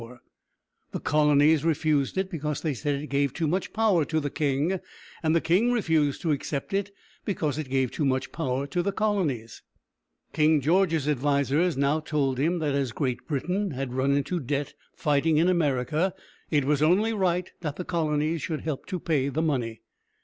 The colonies refused it because they said it gave too much power to the king; and the king refused to accept it because it gave too much power to the colonies. King George's advisers now told him that as Great Britain had run into debt fighting in America, it was only right that the colonies should help to pay the money.